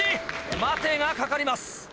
待てがかかります。